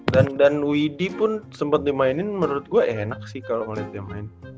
dan dan widhi pun sempet dimainin menurut gue enak sih kalo ngeliat dia main